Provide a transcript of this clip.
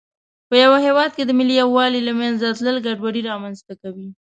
په یوه هېواد کې د ملي یووالي له منځه تلل ګډوډي رامنځته کوي.